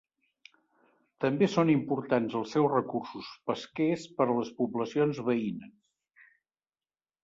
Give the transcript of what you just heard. També són importants els seus recursos pesquers per a les poblacions veïnes.